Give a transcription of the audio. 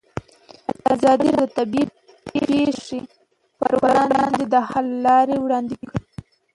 ازادي راډیو د طبیعي پېښې پر وړاندې د حل لارې وړاندې کړي.